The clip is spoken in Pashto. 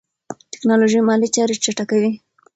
ټیکنالوژي مالي چارې چټکوي.